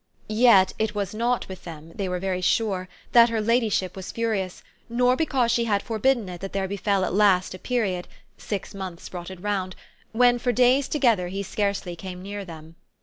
Yet it was not with them, they were very sure, that her ladyship was furious, nor because she had forbidden it that there befell at last a period six months brought it round when for days together he scarcely came near them.